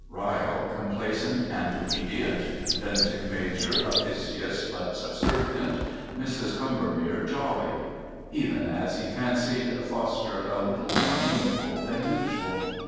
Ryle complacent and obedient; Bentinck Major officious but subservient; Mrs. Combermere jolly; even, as he fancied, Foster a little more amiable than usual.